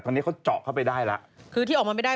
ซึ่งตอน๕โมง๔๕นะฮะทางหน่วยซิวได้มีการยุติการค้นหาที่